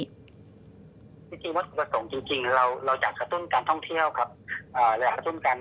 จริงวัตถุประสงค์จริงเราอยากกระตุ้นการท่องเที่ยวครับ